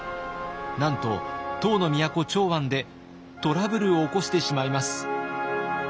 なんと唐の都長安でトラブルを起こしてしまいます。